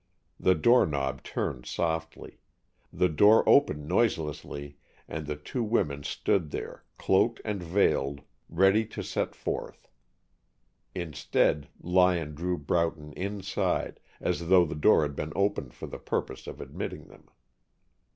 The doorknob turned softly. The door opened noiselessly and the two women stood there, cloaked and veiled, ready to set forth. Instead, Lyon drew Broughton inside, as though the door had been opened for the purpose of admitting them.